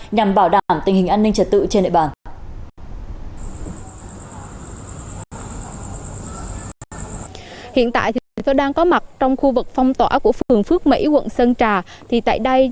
nhằm bảo đảm tình hình an ninh trật tự trên địa bàn